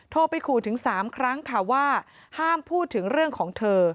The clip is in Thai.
โทรไปขู่ถึง๓ครั้งค่ะว่าห้ามพูดถึงเรื่องของเธอ